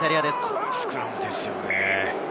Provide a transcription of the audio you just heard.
このスクラムですよね。